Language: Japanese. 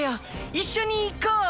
一緒に行こう。